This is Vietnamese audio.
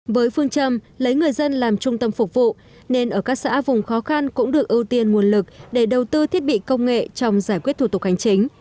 với phương châm lấy người dân làm trung tâm phục vụ nên ở các xã vùng khó khăn cũng được ưu tiên nguồn lực để đầu tư thiết bị công nghệ trong giải quyết thủ tục hành chính